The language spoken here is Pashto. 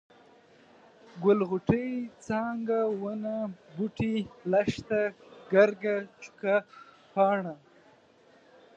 ګل، غوټۍ، څانګه ، ونه ، بوټی، لښته ، ګرګه ، چوکه ، پاڼه،